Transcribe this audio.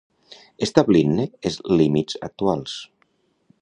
Establint-ne els límits actuals.